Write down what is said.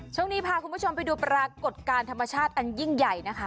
ช่วงนี้พาคุณผู้ชมไปดูปรากฏการณ์ธรรมชาติอันยิ่งใหญ่นะคะ